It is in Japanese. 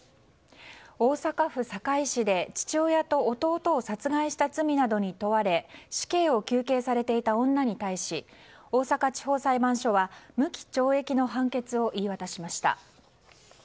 大阪府堺市で父親と弟を殺害した罪などに問われ死刑を求刑されていた女に対し大阪地方裁判所は無期懲役の判決を言い渡しました。